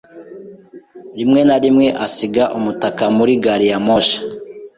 Rimwe na rimwe, asiga umutaka muri gari ya moshi.